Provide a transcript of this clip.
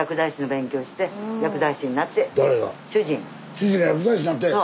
主人が薬剤師になったんや。